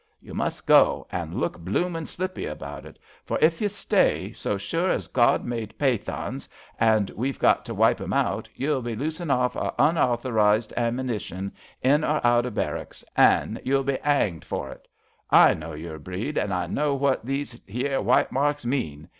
You must go, an' look bloomin' slippy about it, for if you stay, so sure as God made Paythans an' we've got to wipe 'em out, you'll be loosing off o' unauthorised am minition — ^in or out o' barricks, an' you'll be 'anged for it. I know your breed, an' I know what these 'ere white marks mean.